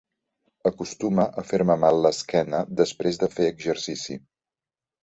Acostuma a fer-me mal l'esquena després de fer exercici.